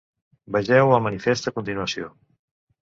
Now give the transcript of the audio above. Vegeu el manifest a continuació.